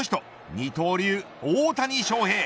二刀流、大谷翔平。